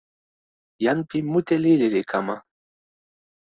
jan pi mute lili li kama.